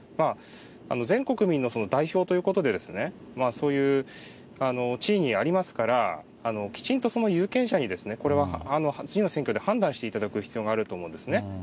全国民の代表ということで、そういう地位にありますから、きちんと有権者にこれは次の選挙で判断していただく必要があると思うんですね。